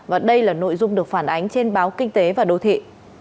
và đây là nội dung được phản ánh trên báo kinh tế và đô thị